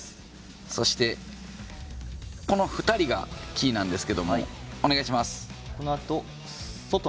そして、この２人がキーなんです。